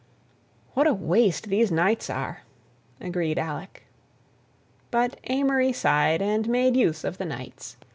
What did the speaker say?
"What a waste these nights are!" agreed Alec. But Amory sighed and made use of the nights.